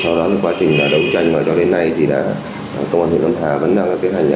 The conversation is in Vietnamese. sau đó trong quá trình đấu tranh và cho đến nay công an huyện lâm hà vẫn đang tiến hành